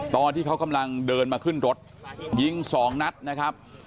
ตอนที่เขากำลังเดินมาขึ้นรถยิงสองนัดนะครับ